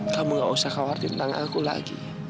kamu gak usah khawatir tentang aku lagi